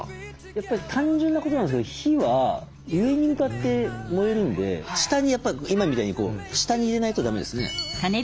やっぱり単純なことなんですけど火は上に向かって燃えるんで今みたいに下に入れないとだめですね。